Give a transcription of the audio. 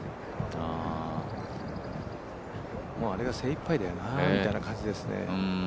あれが精いっぱいだよなみたいな感じですね。